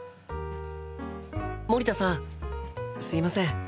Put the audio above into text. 森田さんすいません